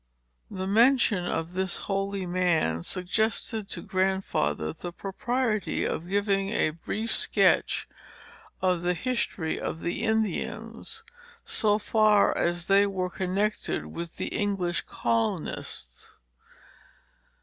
The mention of this holy man suggested to Grandfather the propriety of giving a brief sketch of the history of the Indians, so far as they were connected with the English colonists.